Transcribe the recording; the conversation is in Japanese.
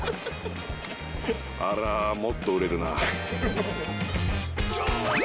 あれはもっと売れるな。